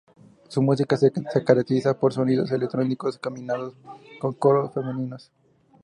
Su música se caracteriza por sonidos electrónico combinados con coros femeninos.